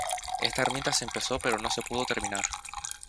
Esta ermita se empezó pero no se pudo terminar.